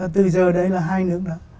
từ giờ đấy là hai nước đã